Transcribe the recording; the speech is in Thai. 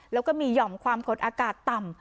แล้วก็มีหย่อมความกดอากาศต่ำ